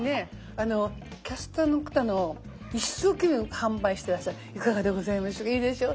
あのキャスターの方の一生懸命販売してらっしゃる「いかがでございましょういいでしょう？